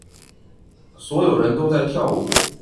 所有人都在跳舞。